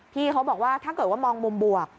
พี่เขาบอกว่าถ้าเกิดว่ามองมุมบวก